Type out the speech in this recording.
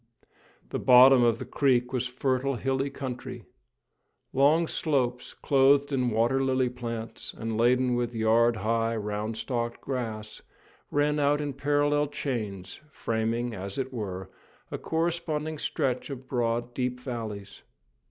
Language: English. The bottom of the creek was fertile, hilly country. Long slopes, clothed with water lily plants, and laden with yard high, round stalked grass, ran out in parallel chains, framing, as it were, a corresponding stretch of broad, deep valleys.